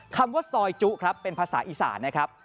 คำว่าซอยจุครับเป็นภาษาอีสานนะครับ